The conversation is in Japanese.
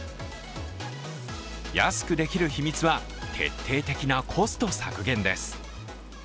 安くできる秘密は徹底的なコスト削減です。